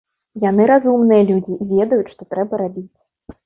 Яны разумныя людзі, ведаюць, што трэба рабіць.